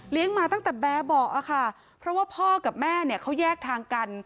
มาตั้งแต่แบบบอกอะค่ะเพราะว่าพ่อกับแม่เนี่ยเขาแยกทางกัน